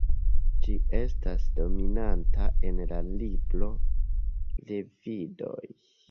Ĝi estas dominanta en la libro Levidoj.